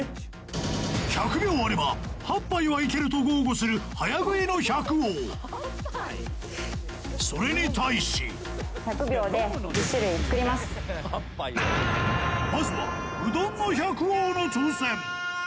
１００秒あれば８杯はいけると豪語する早食いの百王それに対しまずはうどんの百王の挑戦